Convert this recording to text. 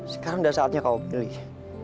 sekarang udah saatnya kau pilih